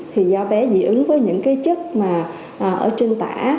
thì do bé dị ứng với những cái chất mà ở trên tả